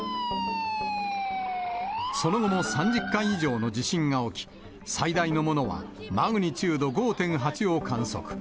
その後も３０回以上の地震が起き、最大のものはマグニチュード５．８を観測。